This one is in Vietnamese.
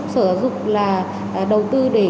sở giáo dục là đầu tư để